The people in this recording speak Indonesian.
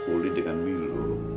uli dengan milo